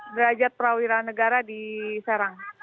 derajat prawira negara di serang